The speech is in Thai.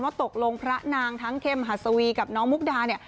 ว่าตกลงพระนางทั้งเขมหาสวีกับน้องมุกดา